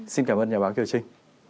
xin cảm ơn nhà báo kiều trinh